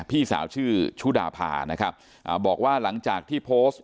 พี่สาวชื่อชุดชุดาพานะครับอ่าบอกว่าหลังจากที่โพสต์